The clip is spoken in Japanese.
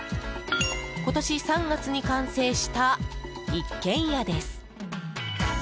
今年３月に完成した一軒家です。